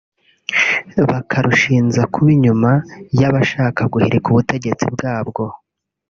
bukarushinja kuba inyuma y’abashaka guhirika ubutegetsi bwabwo